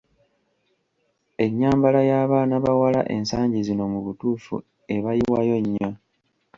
Ennyambala y’abaana bawala ensagi zino mu butuufu ebayiwayo nnyo !